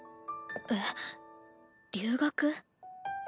えっ？留学？